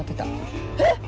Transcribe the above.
えっ⁉